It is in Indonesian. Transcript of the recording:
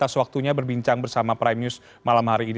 atas waktunya berbincang bersama prime news malam hari ini